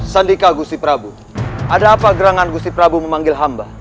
sandika gusiprabu ada apa gerangan gusiprabu memanggil hamba